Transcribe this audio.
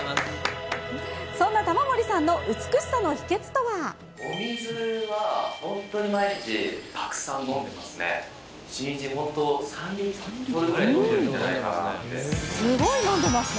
そんな玉森さんの美しさの秘けつお水は本当に毎日、たくさん飲んでますね。